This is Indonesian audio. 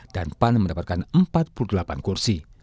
dan pan mendapatkan empat puluh delapan kursi